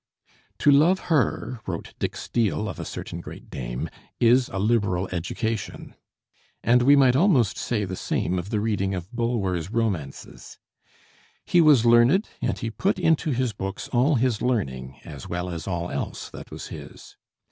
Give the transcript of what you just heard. "To love her," wrote Dick Steele of a certain great dame, "is a liberal education;" and we might almost say the same of the reading of Bulwer's romances. He was learned, and he put into his books all his learning, as well as all else that was his.